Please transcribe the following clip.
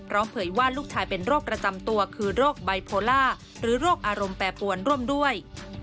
เผยว่าลูกชายเป็นโรคประจำตัวคือโรคไบโพล่าหรือโรคอารมณ์แปรปวนร่วมด้วย